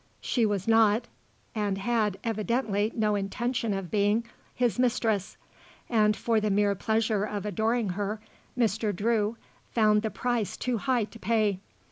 She was not, and had, evidently, no intention of being, his mistress, and for the mere pleasure of adoring her Mr. Drew found the price too high to pay.